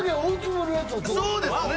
そうですね